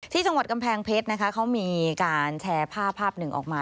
ที่จังหวัดกำแพงเพชรนะคะเขามีการแชร์ภาพภาพหนึ่งออกมา